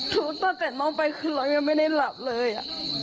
ทุกข์ตั้งแต่น้องไปคือเรายังไม่ได้หลับเลย